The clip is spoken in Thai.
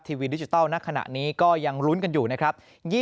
ทีวีดิจิทัลณขณะนี้ก็ยังลุ้นกันอยู่นะครับ